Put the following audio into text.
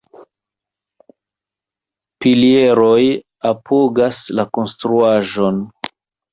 Pilieroj apogas la konstruaĵon.